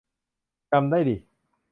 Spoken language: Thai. จำได้ดิ